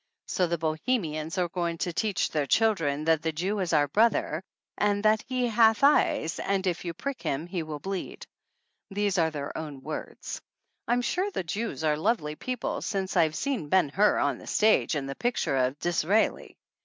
So the Bohemians are going to teach their children that the Jew is our brother and that he hath eyes and if you 41 THE ANNALS OF ANN prick him he will bleed. These are their own words. I'm sure the Jews are lovely people since I've seen Ben Hur on the stage and the picture of Dis Disraeli.